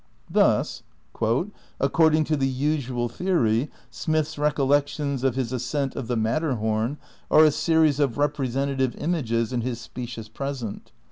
Thus: "According to the usual theory, Smith's recollections of his ascent of the Matterhom are a series of representative images in his specious present.